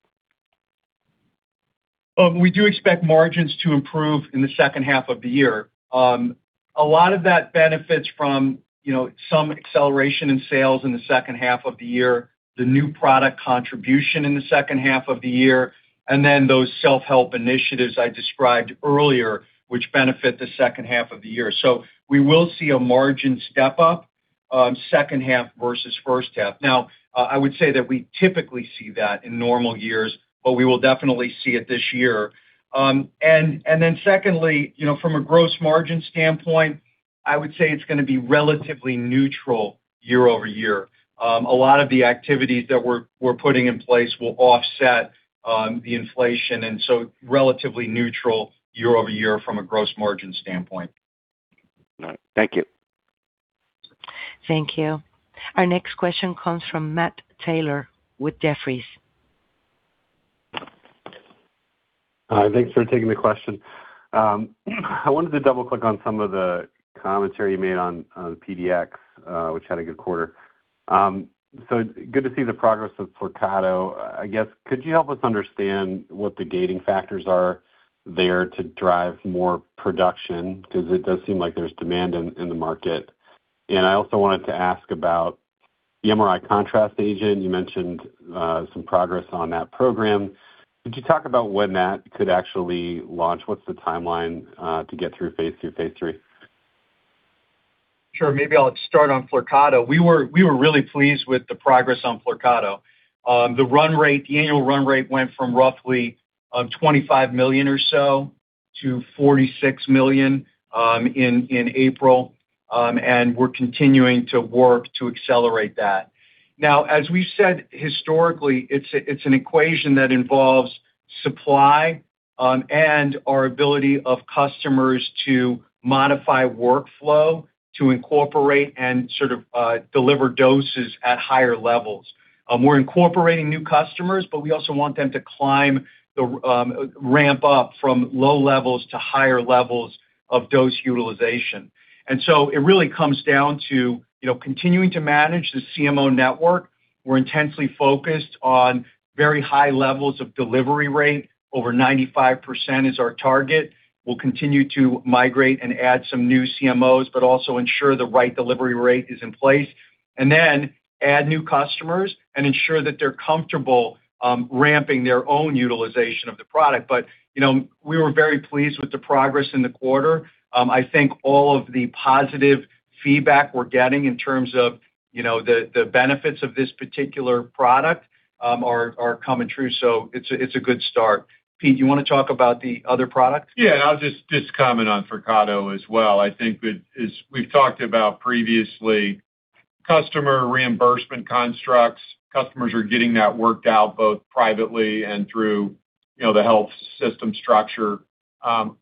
We do expect margins to improve in the second half of the year. A lot of that benefits from, you know, some acceleration in sales in the second half of the year, the new product contribution in the second half of the year, and then those self-help initiatives I described earlier, which benefit the second half of the year. We will see a margin step-up, second half versus first half. Now, I would say that we typically see that in normal years, but we will definitely see it this year. Secondly, you know, from a gross margin standpoint, I would say it's gonna be relatively neutral year-over-year. A lot of the activities that we're putting in place will offset the inflation, relatively neutral year-over-year from a gross margin standpoint. All right. Thank you. Thank you. Our next question comes from Matt Taylor with Jefferies. Thanks for taking the question. I wanted to double-click on some of the commentary you made on PDX, which had a good quarter. Good to see the progress of Flyrcado. I guess, could you help us understand what the gating factors are there to drive more production? Because it does seem like there's demand in the market. I also wanted to ask about the MRI contrast agent. You mentioned some progress on that program. Could you talk about when that could actually launch? What's the timeline to get through phase II, phase III? Sure. Maybe I'll start on Flyrcado. We were really pleased with the progress on Flyrcado. The run rate, the annual run rate went from roughly $25 million or so to $46 million in April. We're continuing to work to accelerate that. Now, as we said historically, it's an equation that involves supply and our ability of customers to modify workflow to incorporate and sort of deliver doses at higher levels. We're incorporating new customers, we also want them to climb the ramp up from low levels to higher levels of dose utilization. It really comes down to, you know, continuing to manage the CMO network. We're intensely focused on very high levels of delivery rate. Over 95% is our target. We'll continue to migrate and add some new CMOs, but also ensure the right delivery rate is in place. Add new customers and ensure that they're comfortable ramping their own utilization of the product. You know, we were very pleased with the progress in the quarter. I think all of the positive feedback we're getting in terms of, you know, the benefits of this particular product are coming true, so it's a good start. Pete, do you wanna talk about the other product? I'll just comment on Flyrcado as well. I think that as we've talked about previously, customer reimbursement constructs, customers are getting that worked out both privately and through, you know, the health system structure,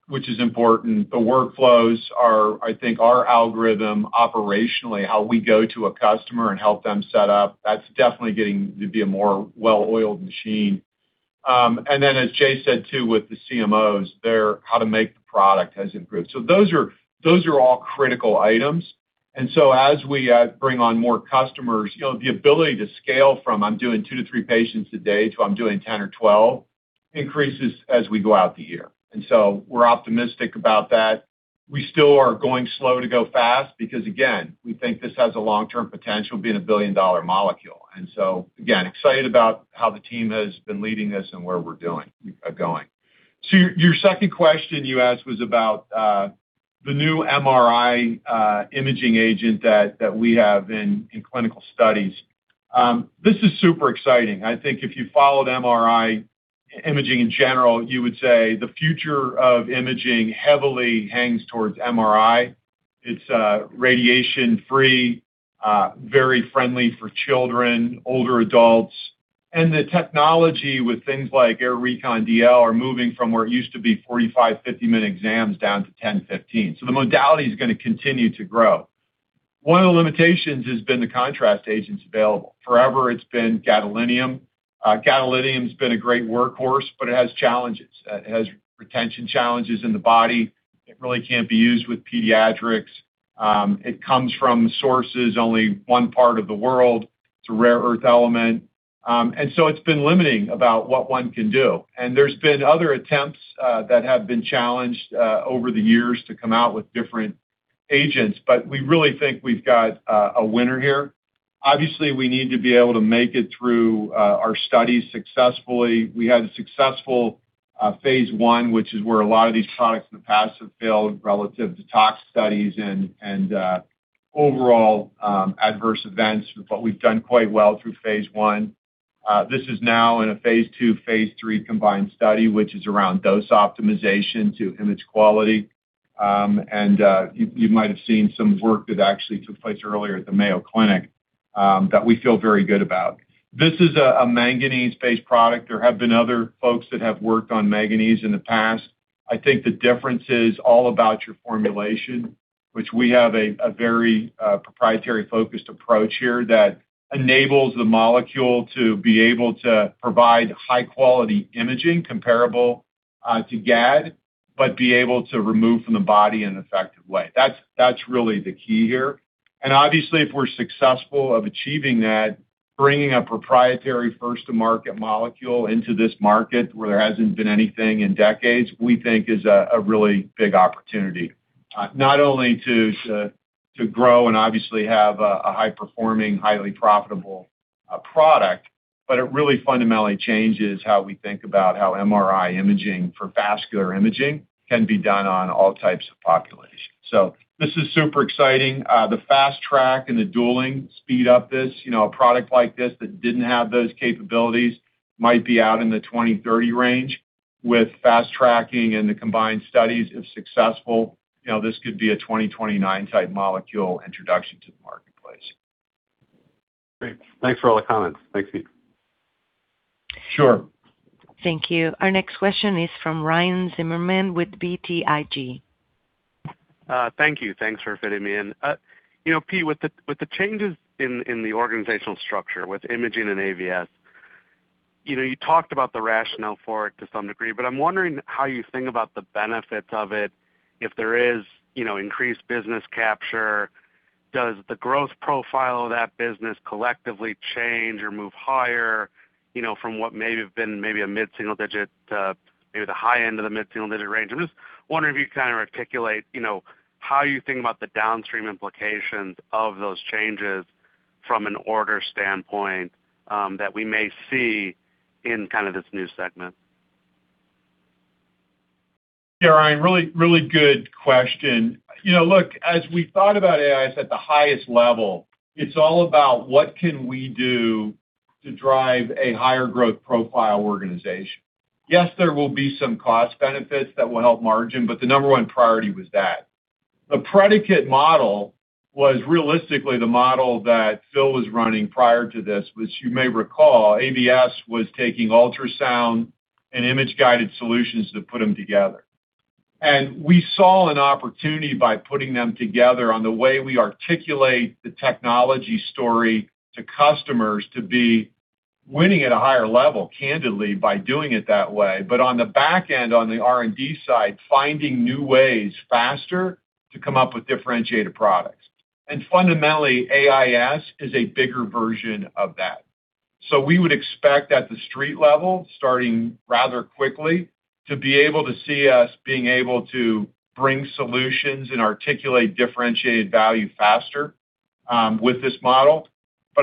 which is important. The workflows are, I think, our algorithm operationally, how we go to a customer and help them set up. That's definitely getting to be a more well-oiled machine. As Jay said too, with the CMOs, their how to make the product has improved. Those are all critical items. As we bring on more customers, you know, the ability to scale from I'm doing two to three patients a day to I'm doing 10 or 12 increases as we go out the year. We're optimistic about that. We still are going slow to go fast because, again, we think this has a long-term potential being a billion-dollar molecule. Again, excited about how the team has been leading this and where we're doing, going. Your second question you asked was about the new MRI imaging agent that we have in clinical studies. This is super exciting. I think if you followed MRI imaging in general, you would say the future of imaging heavily hangs towards MRI. It's radiation-free, very friendly for children, older adults. The technology with things like AIR Recon DL are moving from where it used to be 45, 50-minute exams down to 10, 15. The modality is gonna continue to grow. One of the limitations has been the contrast agents available. Forever, it's been gadolinium. Gadolinium's been a great workhorse, but it has challenges. It has retention challenges in the body. It really can't be used with pediatrics. It comes from sources only one part of the world. It's a rare earth element. So it's been limiting about what one can do. There's been other attempts that have been challenged over the years to come out with different agents, but we really think we've got a winner here. Obviously, we need to be able to make it through our studies successfully. We had a successful phase I, which is where a lot of these products in the past have failed relative to tox studies and overall adverse events, but we've done quite well through phase I. This is now in a phase II, phase III combined study, which is around dose optimization to image quality. And, you might have seen some work that actually took place earlier at the Mayo Clinic, that we feel very good about. This is a manganese-based product. There have been other folks that have worked on manganese in the past. I think the difference is all about your formulation, which we have a very proprietary focused approach here that enables the molecule to be able to provide high-quality imaging comparable to GAD, but be able to remove from the body in an effective way. That's really the key here. Obviously, if we're successful of achieving that, bringing a proprietary first to market molecule into this market where there hasn't been anything in decades, we think is a really big opportunity, not only to grow and obviously have a high-performing, highly profitable product, but it really fundamentally changes how we think about how MRI imaging for vascular imaging can be done on all types of populations. This is super exciting. The fast track and the dueling speed up this. You know, a product like this that didn't have those capabilities might be out in the 20, 30 range. With fast tracking and the combined studies, if successful, you know, this could be a 2029 type molecule introduction to the marketplace. Great. Thanks for all the comments. Thanks, Pete. Sure. Thank you. Our next question is from Ryan Zimmerman with BTIG. Thank you. Thanks for fitting me in. You know, Pete, with the, with the changes in the organizational structure with Imaging and AVS, you know, you talked about the rationale for it to some degree, but I'm wondering how you think about the benefits of it if there is, you know, increased business capture. Does the growth profile of that business collectively change or move higher, you know, from what may have been maybe a mid-single digit to maybe the high end of the mid-single digit range? I'm just wondering if you can articulate, you know, how you think about the downstream implications of those changes from an order standpoint that we may see in kind of this new segment. Yeah, Ryan. Really, really good question. You know, look, as we thought about AIS at the highest level, it's all about what can we do to drive a higher growth profile organization. Yes, there will be some cost benefits that will help margin, but the number one priority was that. The predicate model was realistically the model that Phil was running prior to this, which you may recall, AVS was taking ultrasound and image-guided solutions to put them together. We saw an opportunity by putting them together on the way we articulate the technology story to customers to be winning at a higher level, candidly, by doing it that way. On the back end, on the R&D side, finding new ways faster to come up with differentiated products. Fundamentally, AIS is a bigger version of that. We would expect at the street level, starting rather quickly, to be able to see us being able to bring solutions and articulate differentiated value faster with this model.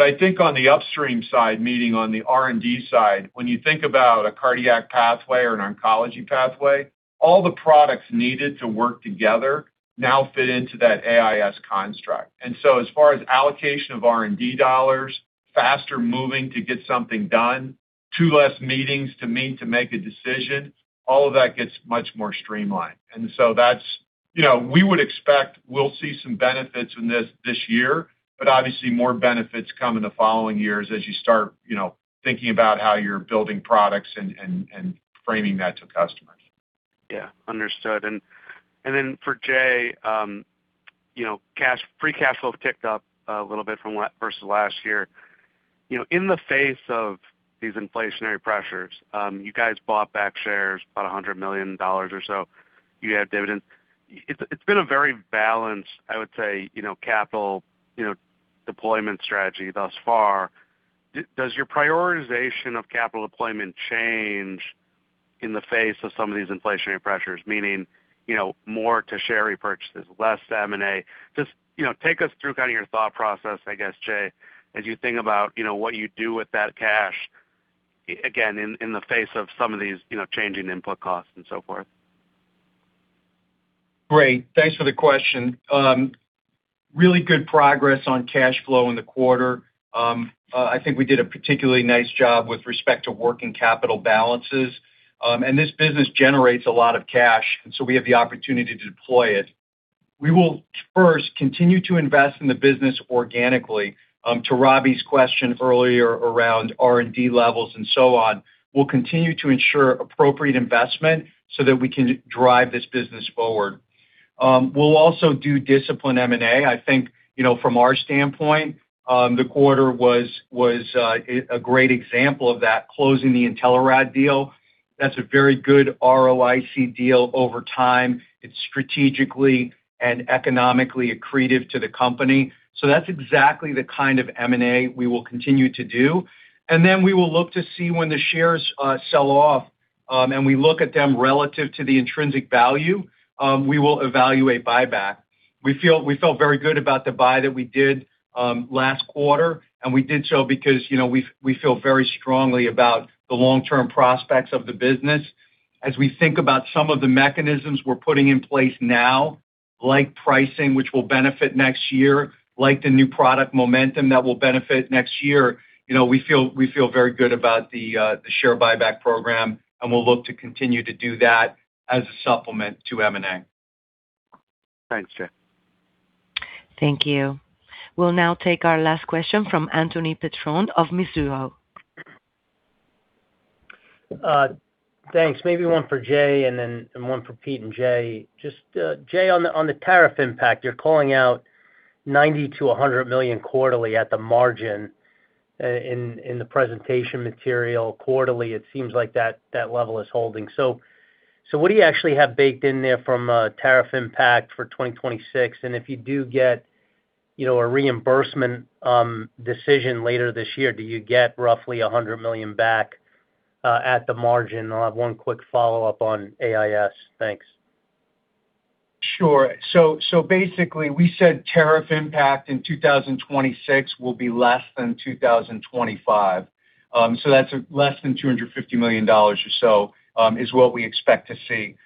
I think on the upstream side, meaning on the R&D side, when you think about a cardiac pathway or an oncology pathway, all the products needed to work together now fit into that AIS construct. As far as allocation of R&D dollars, faster moving to get something done, two less meetings to meet to make a decision, all of that gets much more streamlined. That's, you know, we would expect we'll see some benefits in this this year, but obviously more benefits come in the following years as you start, you know, thinking about how you're building products and, and framing that to customers. Yeah, understood. Then for Jay, you know, free cash flow ticked up a little bit versus last year. You know, in the face of these inflationary pressures, you guys bought back shares about $100 million or so. You had dividends. It's been a very balanced, I would say, you know, capital, you know, deployment strategy thus far. Does your prioritization of capital deployment change in the face of some of these inflationary pressures? Meaning, you know, more to share repurchases, less M&A. You know, take us through kind of your thought process, I guess, Jay, as you think about, you know, what you do with that cash, again, in the face of some of these, you know, changing input costs and so forth. Great. Thanks for the question. Really good progress on cash flow in the quarter. I think we did a particularly nice job with respect to working capital balances. This business generates a lot of cash, and so we have the opportunity to deploy it. We will first continue to invest in the business organically, to Robbie's question earlier around R&D levels and so on. We'll continue to ensure appropriate investment so that we can drive this business forward. We'll also do discipline M&A. I think, you know, from our standpoint, the quarter was a great example of that, closing the Intelerad deal. That's a very good ROIC deal over time. It's strategically and economically accretive to the company. That's exactly the kind of M&A we will continue to do. We will look to see when the shares sell off, and we look at them relative to the intrinsic value, we will evaluate buyback. We felt very good about the buy that we did last quarter, and we did so because, you know, we feel very strongly about the long-term prospects of the business. As we think about some of the mechanisms we're putting in place now, like pricing, which will benefit next year, like the new product momentum that will benefit next year, you know, we feel very good about the share buyback program, and we'll look to continue to do that as a supplement to M&A. Thanks, Jay. Thank you. We'll now take our last question from Anthony Petrone of Mizuho. Thanks. Maybe one for Jay and then one for Pete and Jay. Just Jay, on the tariff impact, you're calling out $90 million-$100 million quarterly at the margin, in the presentation material quarterly, it seems like that level is holding. What do you actually have baked in there from tariff impact for 2026? If you do get, you know, a reimbursement decision later this year, do you get roughly $100 million back at the margin? I'll have one quick follow-up on AIS. Thanks. Sure. Basically, we said tariff impact in 2026 will be less than 2025. That's less than $250 million or so, is what we expect to see.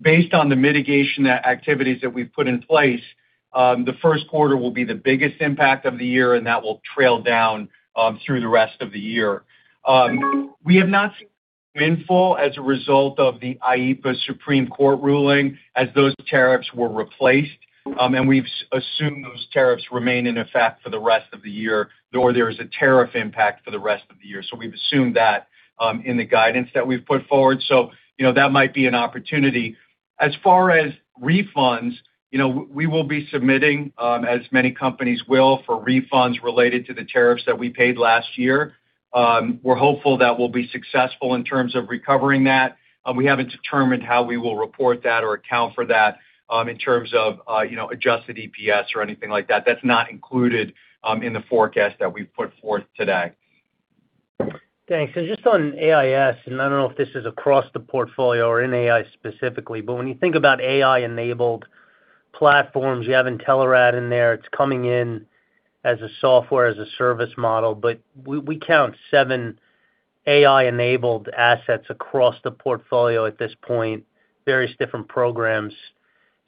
Based on the mitigation activities that we've put in place, the first quarter will be the biggest impact of the year, and that will trail down through the rest of the year. We have not seen as a result of the IEEPA Supreme Court ruling as those tariffs were replaced. We've assumed those tariffs remain in effect for the rest of the year, nor there is a tariff impact for the rest of the year. We've assumed that in the guidance that we've put forward. You know, that might be an opportunity. As far as refunds, you know, we will be submitting, as many companies will, for refunds related to the tariffs that we paid last year. We're hopeful that we'll be successful in terms of recovering that. We haven't determined how we will report that or account for that, in terms of, you know, adjusted EPS or anything like that. That's not included in the forecast that we've put forth today. Thanks. Just on AIS, and I don't know if this is across the portfolio or in AI specifically, but when you think about AI-enabled platforms, you have Intelerad in there. It's coming in as a Software as a Service model. We count seven AI-enabled assets across the portfolio at this point, various different programs.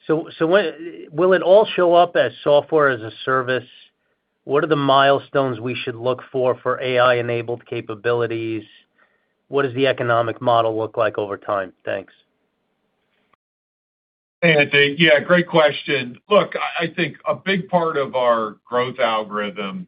Will it all show up as Software as a Service? What are the milestones we should look for for AI-enabled capabilities? What does the economic model look like over time? Thanks. Hey, Anthony. Yeah, great question. Look, I think a big part of our growth algorithm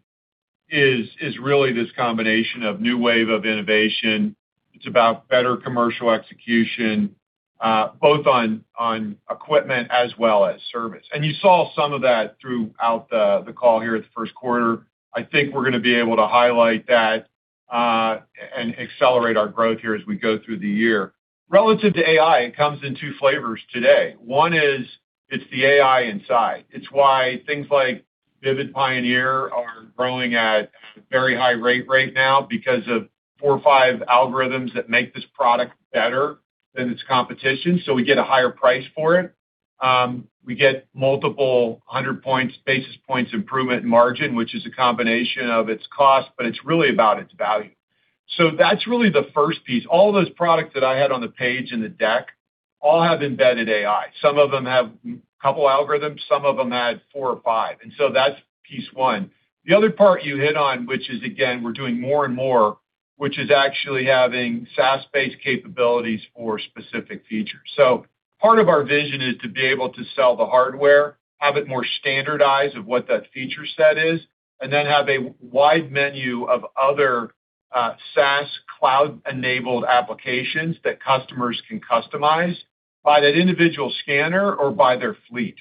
is really this combination of new wave of innovation. It's about better commercial execution, both on equipment as well as service. You saw some of that throughout the call here at the first quarter. I think we're gonna be able to highlight that and accelerate our growth here as we go through the year. Relative to AI, it comes in two flavors today. One is, it's the AI inside. It's why things like Vivid Pioneer are growing at very high rate right now because of four or five algorithms that make this product better than its competition, we get a higher price for it. We get multiple 100 points, basis points improvement in margin, which is a combination of its cost, but it's really about its value. That's really the first piece. All those products that I had on the page in the deck all have embedded AI. Some of them have couple algorithms, some of them had four or five. That's piece 1. The other part you hit on, which is again, we're doing more and more, which is actually having SaaS-based capabilities for specific features. Part of our vision is to be able to sell the hardware, have it more standardized of what that feature set is, and then have a wide menu of other, SaaS cloud-enabled applications that customers can customize by that individual scanner or by their fleet.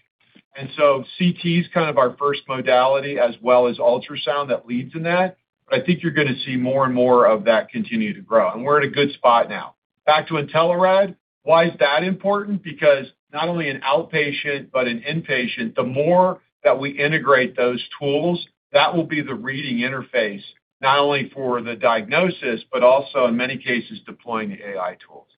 CT is kind of our first modality as well as ultrasound that leads in that. I think you're gonna see more and more of that continue to grow, and we're in a good spot now. Back to Intelerad. Why is that important? Because not only in outpatient but in inpatient, the more that we integrate those tools, that will be the reading interface, not only for the diagnosis, but also in many cases, deploying the AI tools.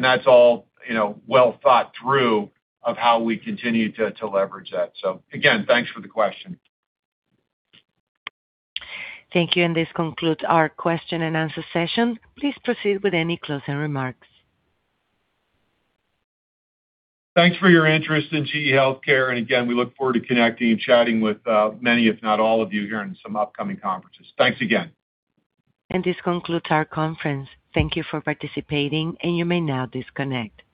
That's all, you know, well thought through of how we continue to leverage that. Again, thanks for the question. Thank you. This concludes our question and answer session. Please proceed with any closing remarks. Thanks for your interest in GE HealthCare. Again, we look forward to connecting and chatting with many, if not all of you here in some upcoming conferences. Thanks again. This concludes our conference. Thank you for participating, and you may now disconnect.